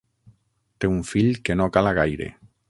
Té un fill que no cala gaire.